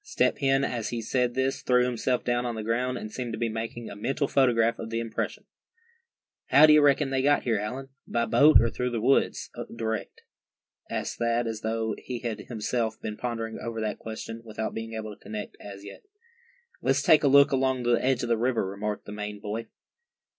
Step Hen as he said this threw himself down on the ground, and seemed to be making a mental photograph of the impression. "How d'ye reckon they got here, Allan; by boat, or through the woods direct?" asked Thad, as though he had himself been pondering over that question, without being able to connect, as yet. "Let's take a look along the edge of the river," remarked the Maine boy.